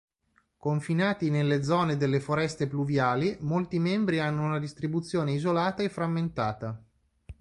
Confinati nelle zone delle foreste pluviali, molti membri hanno una distribuzione isolata e frammentata.